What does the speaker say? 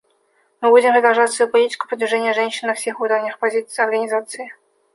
Мы будем продолжать свою политику продвижения женщин на всех уровнях Организации.